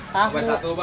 buat satu bang